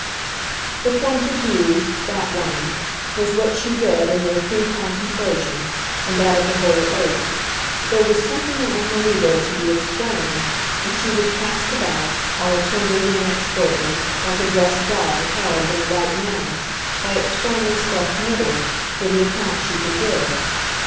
The point of view that one was what she read in their free contemplation, in that of the whole eight; there was something in Amerigo to be explained, and she was passed about, all tenderly and expertly, like a dressed doll held, in the right manner, by its firmly stuffed middle, for the account she could give.